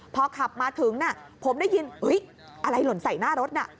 พอขับมาถึงผมได้ยินอะไรหล่นใส่หน้ารถน่ะ